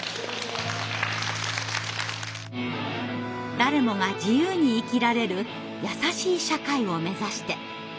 「誰もが自由に生きられる優しい社会」を目指して。